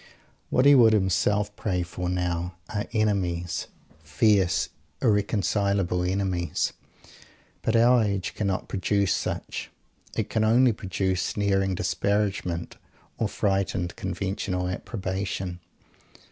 What he would himself pray for now are Enemies fierce irreconcilable Enemies but our age cannot produce such. It can only produce sneering disparagement; or frightened conventional approbation.